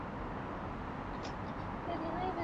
Kesho nitasoma sura ya nne na ya tano.